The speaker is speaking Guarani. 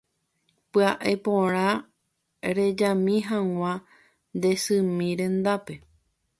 Pya'e porã rejami hag̃ua nde symi rendápe